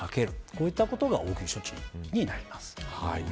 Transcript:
こういったことが応急処置になります。